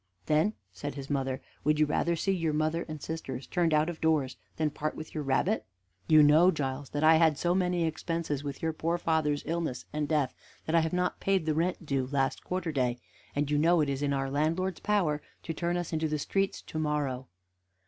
"Then," said his mother, "would you rather see your mother and sisters turned out of doors than part with your rabbit? You know, Giles, that I had so many expenses with your poor father's illness and death that I have not paid the rent due last quarter day; and you know it is in our landlord's power to turn us into the streets to morrow."